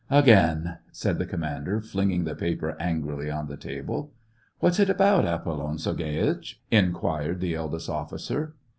" Again !" said the commander, flinging the paper angrily on the table. " What's it about, ApoUon Sergieitch t " inquired the eldest officer.